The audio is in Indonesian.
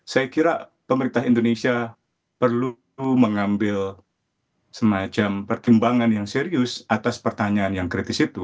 saya kira pemerintah indonesia perlu mengambil semacam pertimbangan yang serius atas pertanyaan yang kritis itu